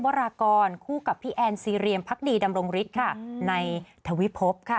วรากรคู่กับพี่แอนซีเรียมพักดีดำรงฤทธิ์ค่ะในทวิภพค่ะ